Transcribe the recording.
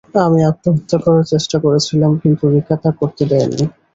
আমি আত্মহত্যা করার চেষ্টা করেছিলাম, কিন্তু রিকা তা করতে দেয়নি।